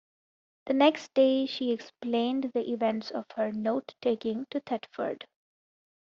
The next day, she explained the events of her "note taking" to Thetford.